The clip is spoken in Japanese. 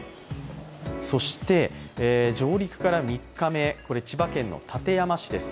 そして上陸から３日目、千葉県館山市です。